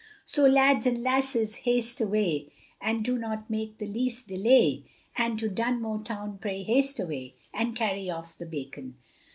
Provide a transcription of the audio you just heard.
So lads and lasses haste away, And do not make the least delay, And to Dunmow town pray haste away, And carry off the bacon.